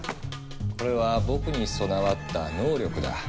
これは僕に備わった「能力」だ。